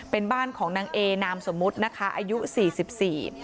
เป็นบ้านของนางเอนามสมมุตินะคะอายุสี่สิบสี่